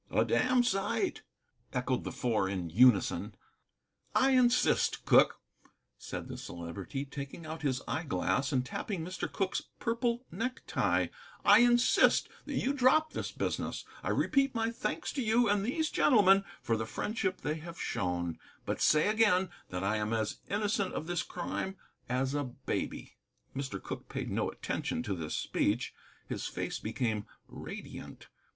"A damned sight," echoed the Four in unison. "I insist, Cooke," said the Celebrity, taking out his eyeglass and tapping Mr. Cooke's purple necktie, "I insist that you drop this business. I repeat my thanks to you and these gentlemen for the friendship they have shown, but say again that I am as innocent of this crime as a baby." Mr. Cooke paid no attention to this speech. His face became radiant.